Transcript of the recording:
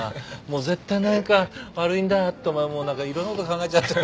「もう絶対何か悪いんだ」ってお前もう何かいろんなこと考えちゃって。